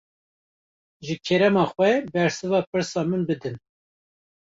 Ji kerema xwe, bersiva pirsa min bidin